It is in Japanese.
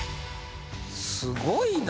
すごいな。